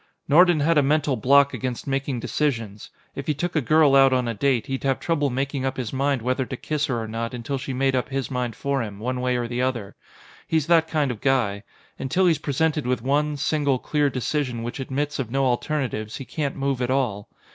"Nordon had a mental block against making decisions. If he took a girl out on a date, he'd have trouble making up his mind whether to kiss her or not until she made up his mind for him, one way or the other. He's that kind of guy. Until he's presented with one, single, clear decision which admits of no alternatives, he can't move at all.